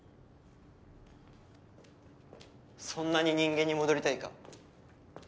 そんなに人間に戻りたいか？